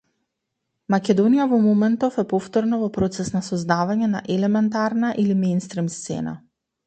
Македонија во моментов е повторно во процес на создавање на елементарна или меинстрим сцена.